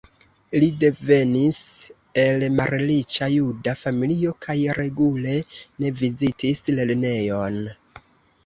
Li devenis el malriĉa juda familio kaj regule ne vizitis lernejon.